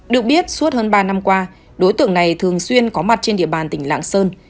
được biết suốt hơn ba năm qua đối tượng này thường xuyên có mặt trên địa bàn tỉnh lạng sơn